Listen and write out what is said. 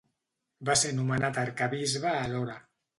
Va ser nomenat arquebisbe alhora.